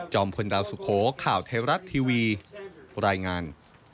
จอมพลาสุโขข่าวเทวรัฐทีวีรายงาน